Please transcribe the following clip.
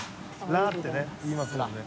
「ら」ってね言いますもんね